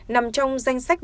nằm trong danh sách